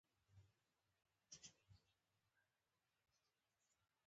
د بهرنیو چارو وزارتونه په سیاسي ډیپلوماسي کې رول لري